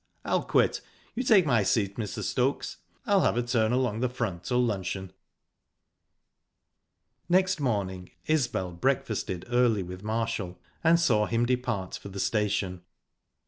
"I'll quit. You take my seat, Mr. Stokes I'll have a turn along the front till luncheon." Next morning Isbel breakfasted early with Marshall, and saw him depart for the station.